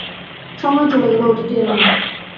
সময় চলে গেল, অতিথি এল না।